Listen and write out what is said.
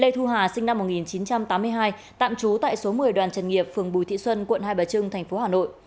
thu hà sinh năm một nghìn chín trăm tám mươi hai tạm trú tại số một mươi đoàn trần nghiệp phường bùi thị xuân quận hai bà trưng tp hà nội